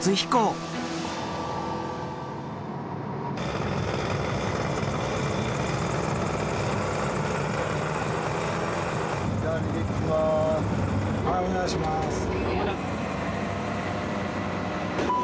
はいお願いします。